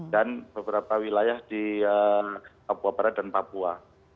dan beberapa wilayah di papua barat dan papua